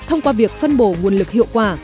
thông qua việc phân bổ nguồn lực hiệu quả